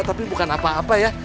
tapi bukan apa apa ya